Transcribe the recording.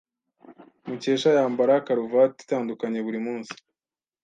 Mukesha yambara karuvati itandukanye buri munsi.